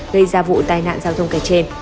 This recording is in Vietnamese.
gây ra vụ tai nạn giao thông kẻ trên